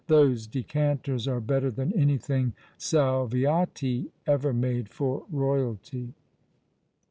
Those decanters are better than anything Salviati ever made for Eoyalty."